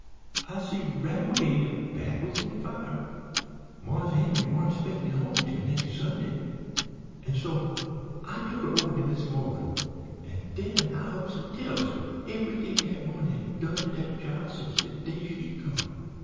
"I see right away de fat was in de fire. Marse Henry warn't 'spected home till de nex' Sunday, an' so I tuk her over to Mis' Morgan, an' den I ups an' tells her everything dat woman had done to dat chile since de day she come.